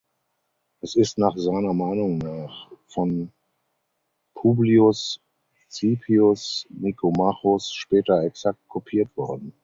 Es ist nach seiner Meinung nach von Publius Cipius Nicomachus später exakt kopiert worden.